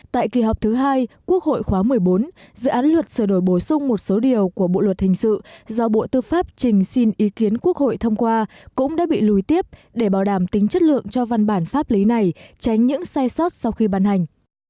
tại kỳ họp thứ hai quốc hội khóa một mươi bốn dự án luật sửa đổi bổ sung một số điều của bộ luật hình sự do bộ tư pháp trình xin ý kiến quốc hội thông qua cũng đã bị lùi tiếp để bảo đảm tính chất lượng cho văn bản pháp lý này tránh những sai sót sau khi ban hành